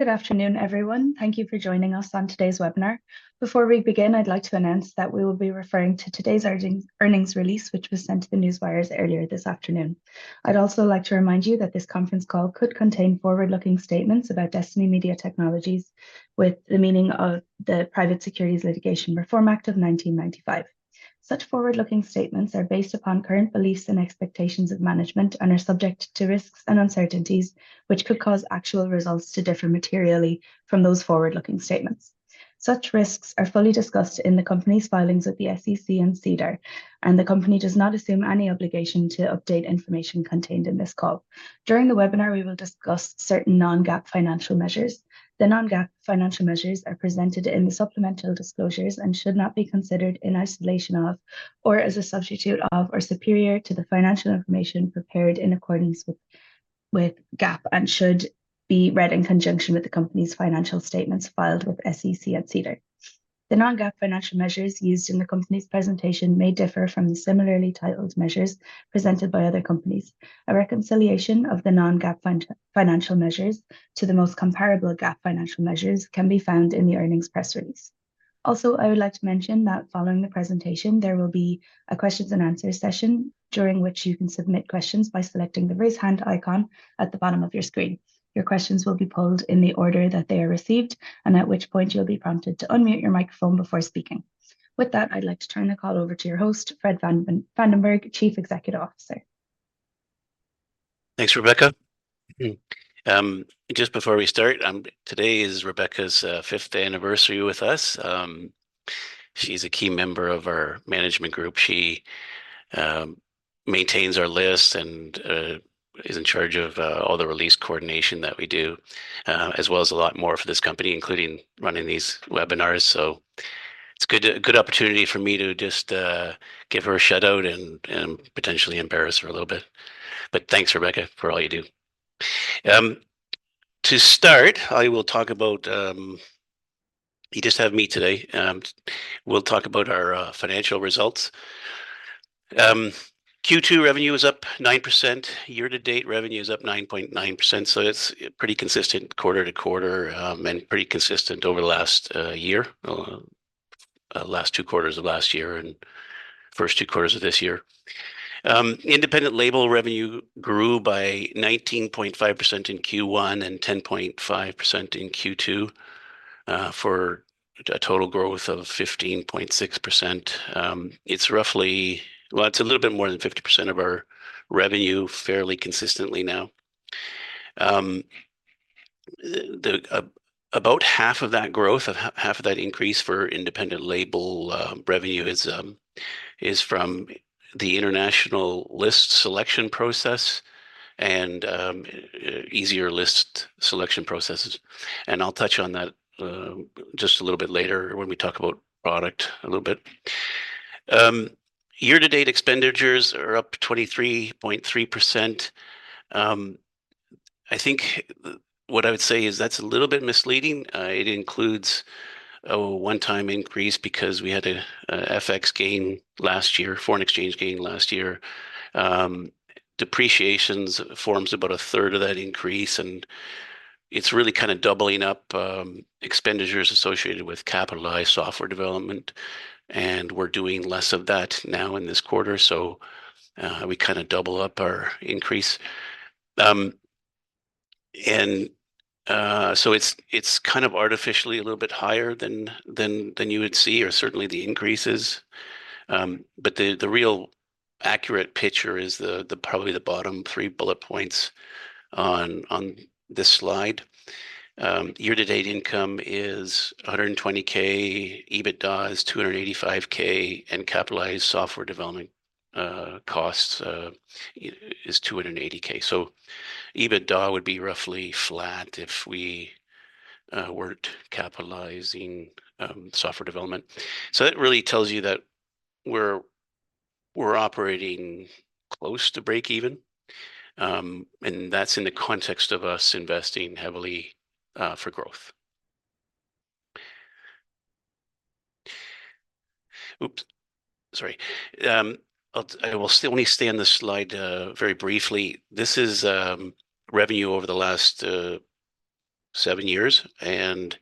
Good afternoon, everyone. Thank you for joining us on today's webinar. Before we begin, I'd like to announce that we will be referring to today's earnings release, which was sent to the newswires earlier this afternoon. I'd also like to remind you that this conference call could contain forward-looking statements about Destiny Media Technologies, within the meaning of the Private Securities Litigation Reform Act of 1995. Such forward-looking statements are based upon current beliefs and expectations of management and are subject to risks and uncertainties, which could cause actual results to differ materially from those forward-looking statements. Such risks are fully discussed in the company's filings with the SEC and SEDAR, and the company does not assume any obligation to update information contained in this call. During the webinar, we will discuss certain non-GAAP financial measures. The non-GAAP financial measures are presented in the supplemental disclosures and should not be considered in isolation of or as a substitute of or superior to the financial information prepared in accordance with GAAP, and should be read in conjunction with the company's financial statements filed with SEC and SEDAR. The non-GAAP financial measures used in the company's presentation may differ from the similarly titled measures presented by other companies. A reconciliation of the non-GAAP financial measures to the most comparable GAAP financial measures can be found in the earnings press release. Also, I would like to mention that following the presentation, there will be a questions and answers session, during which you can submit questions by selecting the raise hand icon at the bottom of your screen. Your questions will be polled in the order that they are received, and at which point you'll be prompted to unmute your microphone before speaking. With that, I'd like to turn the call over to your host, Fred Vandenberg, Chief Executive Officer. Thanks, Rebecca. Just before we start, today is Rebecca's fifth anniversary with us. She's a key member of our management group. She maintains our list and is in charge of all the release coordination that we do, as well as a lot more for this company, including running these webinars. So it's a good, a good opportunity for me to just give her a shout-out and potentially embarrass her a little bit. But thanks, Rebecca, for all you do. To start, I will talk about. You just have me today. We'll talk about our financial results. Q2 revenue is up 9%. Year-to-date revenue is up 9.9%, so it's pretty consistent quarter to quarter, and pretty consistent over the last two quarters of last year and first two quarters of this year. Independent label revenue grew by 19.5% in Q1 and 10.5% in Q2, for a total growth of 15.6%. It's roughly. Well, it's a little bit more than 50% of our revenue, fairly consistently now. About half of that growth, half of that increase for independent label revenue is from the international list selection process and easier list selection processes, and I'll touch on that just a little bit later when we talk about product a little bit. Year-to-date expenditures are up 23.3%. I think what I would say is that's a little bit misleading. It includes a one-time increase because we had a FX gain last year, foreign exchange gain last year. Depreciation forms about a third of that increase, and it's really kind of doubling up expenditures associated with capitalized software development, and we're doing less of that now in this quarter. So, we kind of double up our increase. So it's kind of artificially a little bit higher than you would see or certainly the increases. But the real accurate picture is probably the bottom three bullet points on this slide. Year-to-date income is $120,000, EBITDA is $285,000, and capitalized software development costs is $280,000. So EBITDA would be roughly flat if we weren't capitalizing software development. So that really tells you that we're operating close to breakeven, and that's in the context of us investing heavily for growth. Oops, sorry. Let me stay on this slide very briefly. This is revenue over the last seven years, and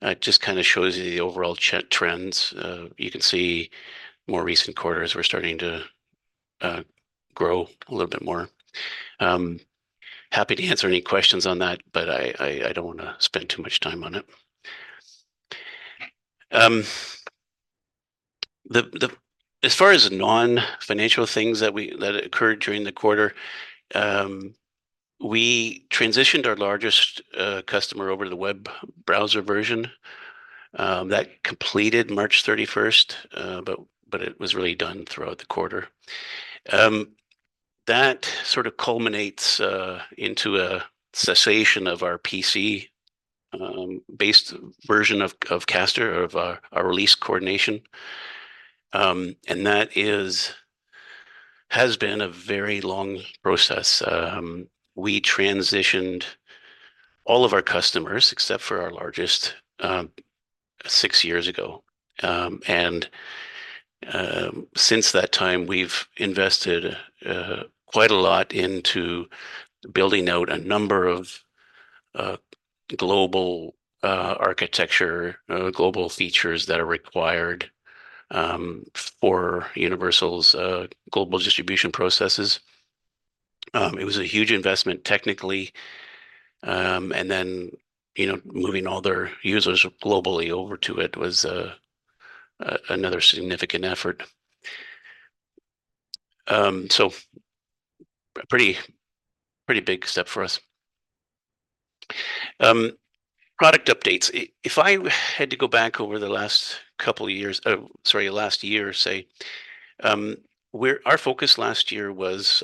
it just kind of shows you the overall trends. You can see more recent quarters, we're starting to grow a little bit more. Happy to answer any questions on that, but I don't want to spend too much time on it. As far as non-financial things that occurred during the quarter, we transitioned our largest customer over to the web browser version. That completed March 31st, but it was really done throughout the quarter. That sort of culminates into a cessation of our PC-based version of Caster, of our release coordination. And that has been a very long process. We transitioned all of our customers, except for our largest, six years ago. And since that time, we've invested quite a lot into building out a number of global architecture global features that are required for Universal's global distribution processes. It was a huge investment technically, and then, you know, moving all their users globally over to it was another significant effort. So a pretty, pretty big step for us. Product updates. If I had to go back over the last couple of years, oh, sorry, last year, our focus last year was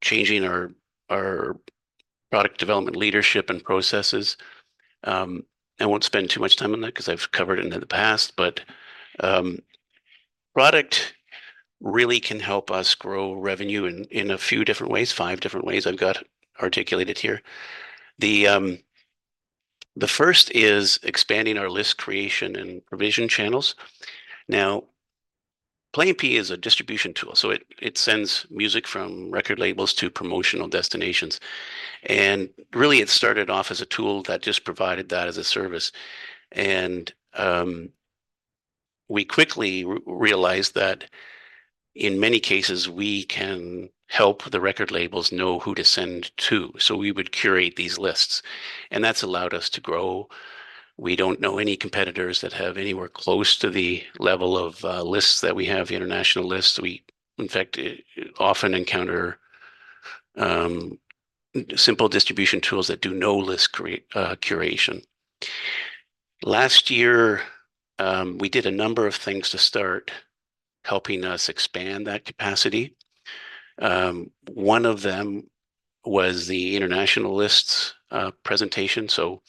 changing our product development, leadership, and processes. I won't spend too much time on that 'cause I've covered it in the past, but product really can help us grow revenue in a few different ways. Five different ways I've got articulated here. The first is expanding our list creation and provision channels. Now, Play MPE is a distribution tool, so it sends music from record labels to promotional destinations. And really it started off as a tool that just provided that as a service, and we quickly realized that in many cases, we can help the record labels know who to send to, so we would curate these lists, and that's allowed us to grow. We don't know any competitors that have anywhere close to the level of lists that we have, international lists. We, in fact, often encounter simple distribution tools that do no list curation. Last year, we did a number of things to start helping us expand that capacity. One of them was the international lists presentation. So,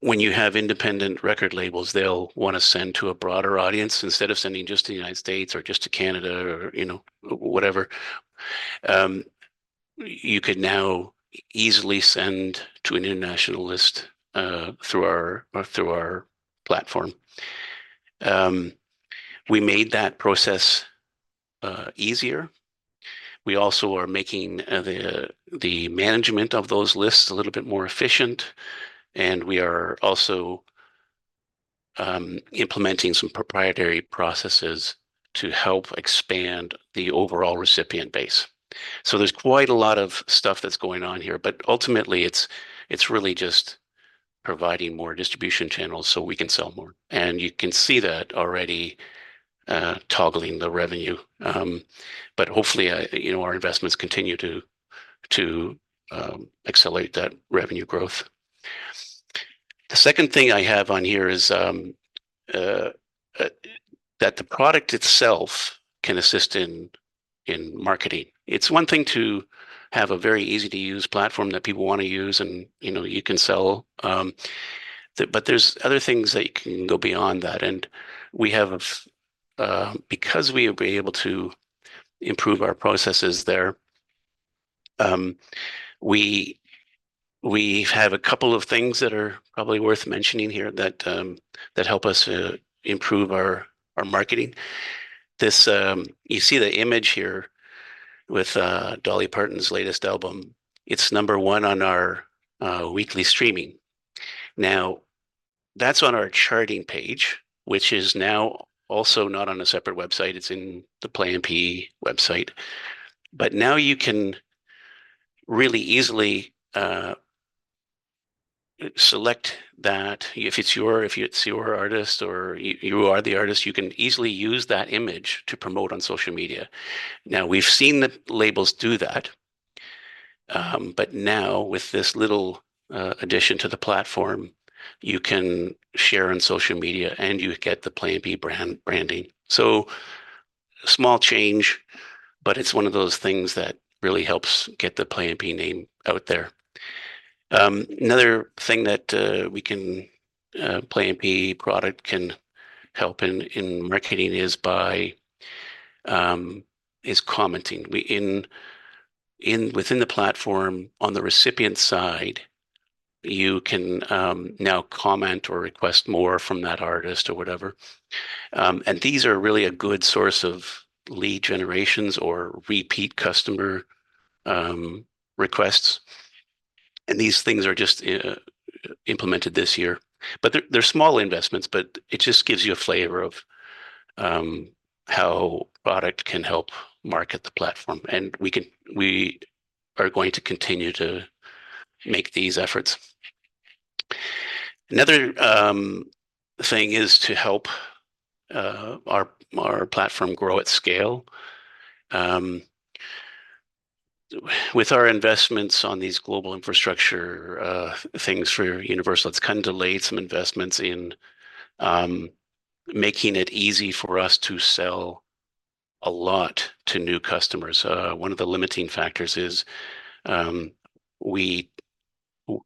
when you have independent record labels, they'll wanna send to a broader audience instead of sending just to the United States or just to Canada or, you know, whatever. You could now easily send to an international list through our platform. We made that process easier. We also are making the management of those lists a little bit more efficient, and we are also implementing some proprietary processes to help expand the overall recipient base. So there's quite a lot of stuff that's going on here, but ultimately, it's really just providing more distribution channels, so we can sell more. And you can see that already toggling the revenue. But hopefully you know our investments continue to accelerate that revenue growth. The second thing I have on here is that the product itself can assist in marketing. It's one thing to have a very easy-to-use platform that people wanna use, and, you know, you can sell, but there's other things that can go beyond that, and we have—because we have been able to improve our processes there, we have a couple of things that are probably worth mentioning here that help us improve our marketing. You see the image here with Dolly Parton's latest album. It's number one on our weekly streaming. Now, that's on our charting page, which is now also not on a separate website. It's in the Play MPE website. But now you can really easily select that. If it's your artist or you are the artist, you can easily use that image to promote on social media. Now, we've seen the labels do that, but now with this little addition to the platform, you can share on social media, and you get the Play MPE branding. So small change, but it's one of those things that really helps get the Play MPE name out there. Another thing that the Play MPE product can help in marketing is by commenting. Within the platform on the recipient side, you can now comment or request more from that artist or whatever. And these are really a good source of lead generations or repeat customer requests, and these things are just implemented this year. But they're small investments, but it just gives you a flavor of how product can help market the platform, and we are going to continue to make these efforts. Another thing is to help our platform grow at scale. With our investments on these global infrastructure things for Universal, it's kind of delayed some investments in making it easy for us to sell a lot to new customers. One of the limiting factors is, like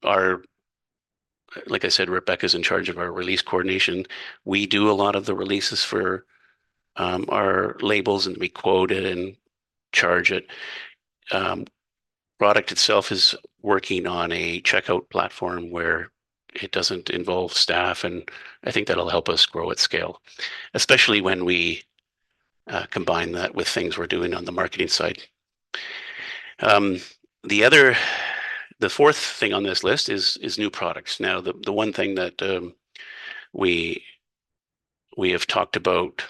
I said, Rebecca's in charge of our release coordination. We do a lot of the releases for our labels and we quote it and charge it. Product itself is working on a checkout platform where it doesn't involve staff, and I think that'll help us grow at scale, especially when we combine that with things we're doing on the marketing side. The other, the fourth thing on this list is new products. Now, one thing that we have talked about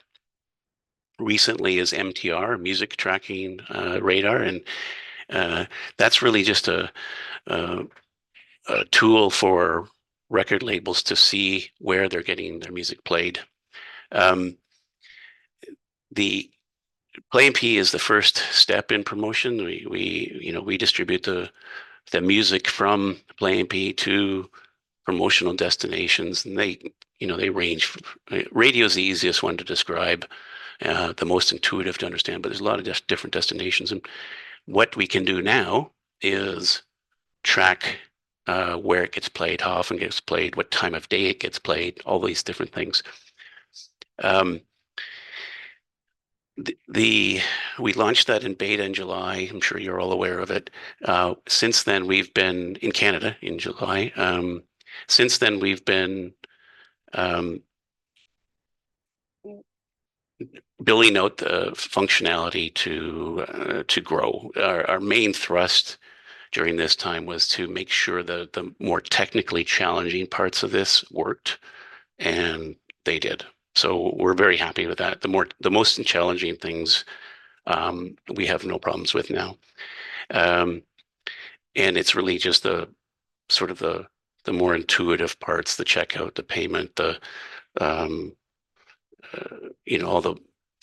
recently is MTR, Music Tracking Radar, and that's really just a tool for record labels to see where they're getting their music played. The Play MPE is the first step in promotion. You know, we distribute the music from Play MPE to promotional destinations, and they range from. Radio is the easiest one to describe, the most intuitive to understand, but there's a lot of different destinations, and what we can do now is track where it gets played, how often it gets played, what time of day it gets played, all these different things. We launched that in beta in July, I'm sure you're all aware of it. Since then, we've been in Canada, in July. Since then, we've been building out the functionality to grow. Our main thrust during this time was to make sure that the more technically challenging parts of this worked, and they did. So we're very happy with that. The most challenging things, we have no problems with now. And it's really just sort of the more intuitive parts, the checkout, the payment, you know,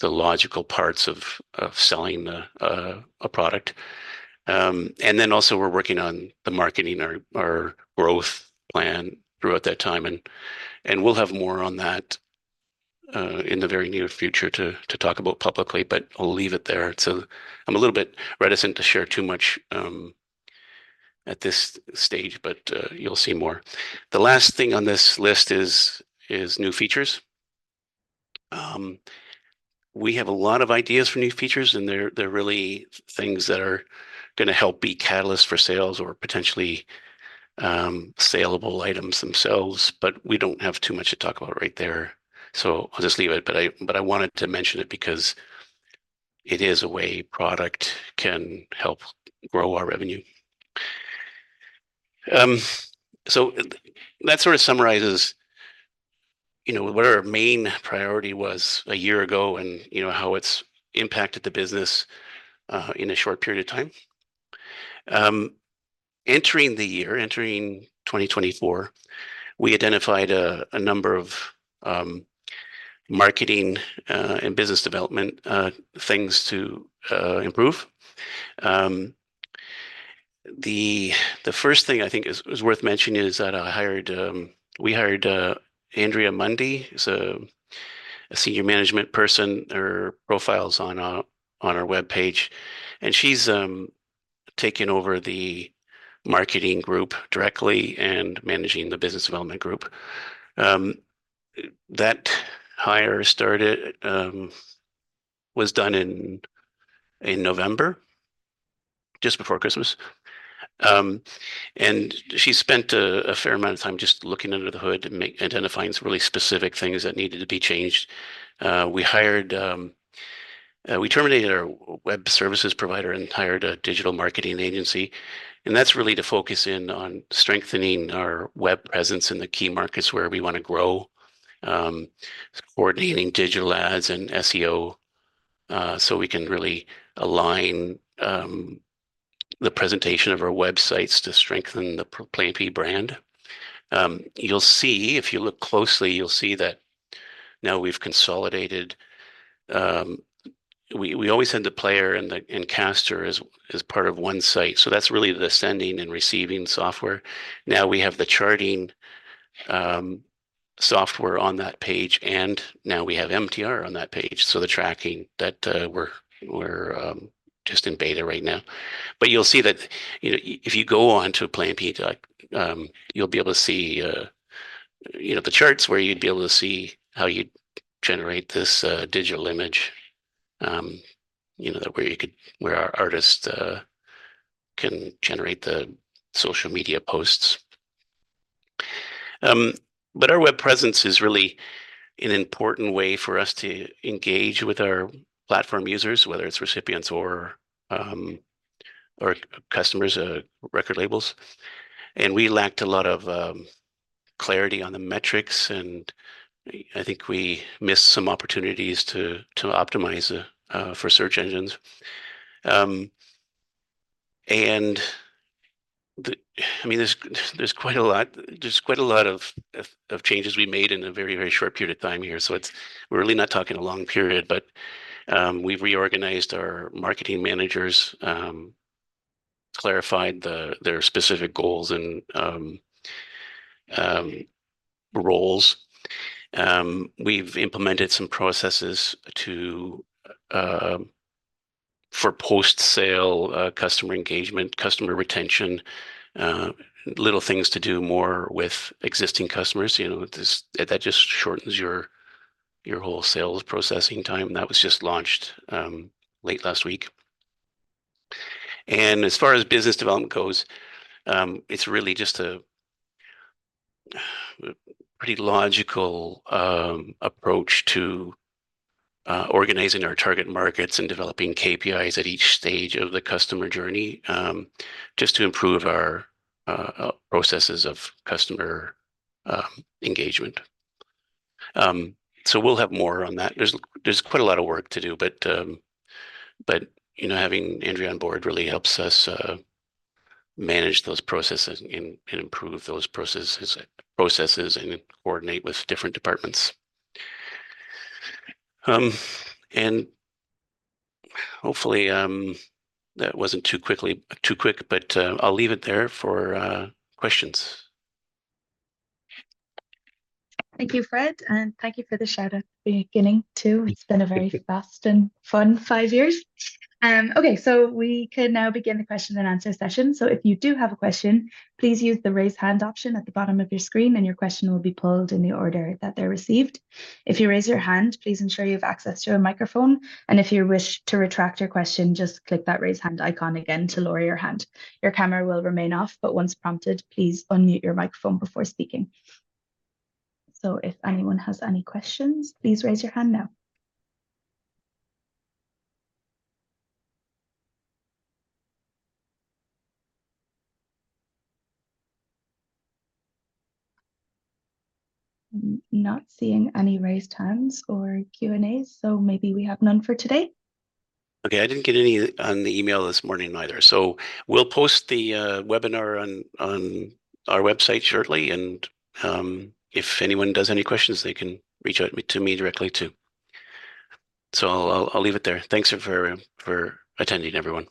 all the logical parts of selling a product. And then also we're working on the marketing, our growth plan throughout that time, and we'll have more on that in the very near future to talk about publicly, but I'll leave it there. So I'm a little bit reticent to share too much at this stage, but you'll see more. The last thing on this list is new features. We have a lot of ideas for new features, and they're really things that are gonna help be catalyst for sales or potentially saleable items themselves, but we don't have too much to talk about right there. So I'll just leave it, but I wanted to mention it because it is a way product can help grow our revenue. So that sort of summarizes, you know, what our main priority was a year ago, and you know, how it's impacted the business in a short period of time. Entering the year, entering 2024, we identified a number of marketing and business development things to improve. The first thing I think is worth mentioning is that I hired, we hired Andrea Mundie, who's a Senior Management person. Her profile is on our webpage, and she's taken over the marketing group directly and managing the business development group. That hire was done in November, just before Christmas. And she spent a fair amount of time just looking under the hood and identifying some really specific things that needed to be changed. We terminated our web services provider and hired a digital marketing agency, and that's really to focus in on strengthening our web presence in the key markets where we wanna grow. Coordinating digital ads and SEO, so we can really align the presentation of our websites to strengthen the Play MPE brand. You'll see, if you look closely, you'll see that now we've consolidated. We always send the Player and the Caster as part of one site. So that's really the sending and receiving software. Now we have the charting software on that page, and now we have MTR on that page, so the tracking that we're just in beta right now. But you'll see that, you know, if you go onto Play MPE, you'll be able to see, you know, the charts, where you'd be able to see how you'd generate this digital image. You know, that where you could, where our artists can generate the social media posts. But our web presence is really an important way for us to engage with our platform users, whether it's recipients or or customers, record labels. We lacked a lot of clarity on the metrics, and I think we missed some opportunities to optimize for search engines. I mean, there's quite a lot of changes we made in a very short period of time here. So we're really not talking a long period, but we've reorganized our marketing managers, clarified their specific goals and roles. We've implemented some processes for post-sale customer engagement, customer retention, little things to do more with existing customers. You know, this just shortens your whole sales processing time. That was just launched late last week. As far as business development goes, it's really just a pretty logical approach to organizing our target markets and developing KPIs at each stage of the customer journey, just to improve our processes of customer engagement. So we'll have more on that. There's quite a lot of work to do, but, you know, having Andrea on board really helps us manage those processes and improve those processes and coordinate with different departments. And hopefully that wasn't too quickly, too quick, but I'll leave it there for questions. Thank you, Fred, and thank you for the shout-out at the beginning, too. Thank you. It's been a very fast and fun five years. Okay, so we can now begin the question and answer session. So if you do have a question, please use the raise hand option at the bottom of your screen, and your question will be pulled in the order that they're received. If you raise your hand, please ensure you have access to a microphone, and if you wish to retract your question, just click that raise hand icon again to lower your hand. Your camera will remain off, but once prompted, please unmute your microphone before speaking. So if anyone has any questions, please raise your hand now. I'm not seeing any raised hands or Q&As, so maybe we have none for today. Okay, I didn't get any on the email this morning either. So we'll post the webinar on our website shortly, and if anyone does any questions, they can reach out to me directly, too. So I'll leave it there. Thanks for attending, everyone.